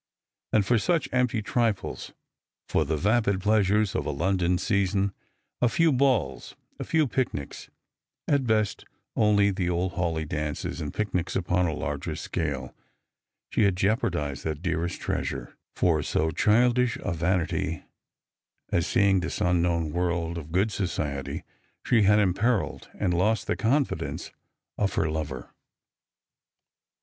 And for such empty trifles, for the vapid pleasures of a London season, a few balls, a few picnics — at best only the old Hawleigh dances and picnics upon a larger scale — she had jeopardised that dearest treasure ; for so childish a vanity as seeing this unknown world of good society, she had imperilled and lost the confidence of her lover